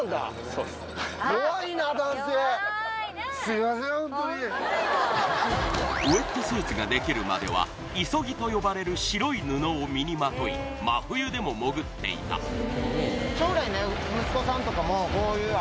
やっぱりウエットスーツができるまでは磯着と呼ばれる白い布を身にまとい真冬でも潜っていたおお！